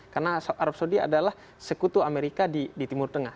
karena arab saudi adalah sekutu amerika di timur tengah